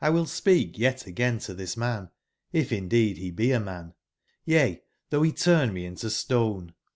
will speah yet a gain to this man, if indeed be be a man ; yea, tbougb betummeintostone"j!?